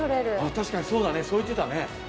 確かにそうだねそう言ってたね。